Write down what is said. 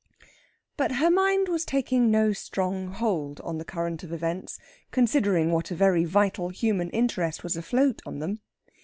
But her mind was taking no strong hold on the current of events, considering what a very vital human interest was afloat on them.